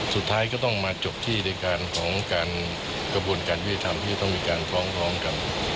สุดท้ายก็ต้องมาจบที่ในการของการกระบวนการยุติธรรมที่จะต้องมีการฟ้องร้องกัน